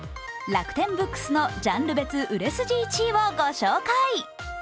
楽天ブックスのジャンル別売れ筋１位を御紹介。